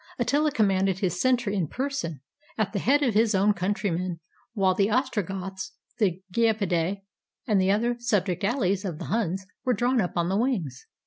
Attila commanded his center in person, at the head of his own countrymen, while the Ostrogoths, the Gepidae, and the other subject allies of the Huns, were drawn up on the wings.